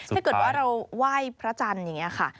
ถ้าเกิดว่าเราไหว้พระจันทร์อย่างนี้ค่ะ